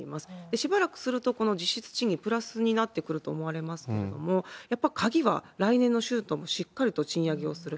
しばらくすると、この実質賃金プラスになってくると思われますけれども、やっぱり鍵は、来年の春闘もしっかりと賃金上げをする。